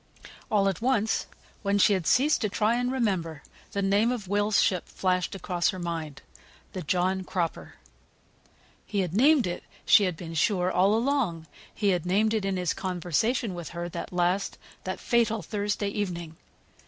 All at once, when she had ceased to try and remember, the name of Will's ship flashed across her mind. The John Cropper. He had named it, she had been sure, all along. He had named it in his conversation with her that last, that fatal Thursday evening.